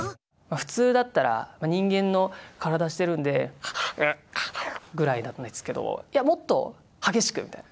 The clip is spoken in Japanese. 普通だったら人間の体してるんで「ハフッハフッ」ぐらいなんですけどいやもっと激しくみたいな。